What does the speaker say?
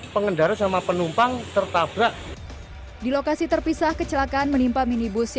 pengendara sama penumpang tertabrak di lokasi terpisah kecelakaan menimpa minibus